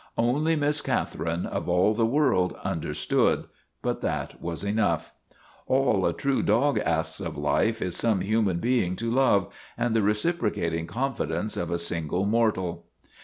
Only Miss Catherine, of all the world, un derstood, but that was enough. All a true dog asks 2 6o LORNA OF THE BLACK EYE of life is some human being to love and the recipro cating confidence of a single mortal.